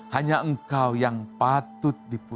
hanya engkau yang memilikimu